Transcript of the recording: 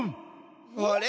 あれ？